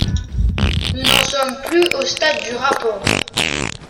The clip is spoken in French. Nous n’en sommes plus au stade du rapport.